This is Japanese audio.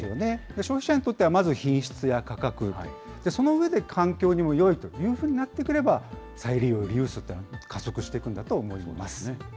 消費者にとってはまず品質や価格、その上で環境にもよいというふうになってくれば、再利用、リユースっていうのが加速していくんだと思います。